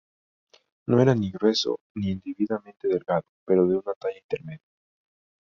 No era ni grueso ni indebidamente delgado, pero de una talla intermedia.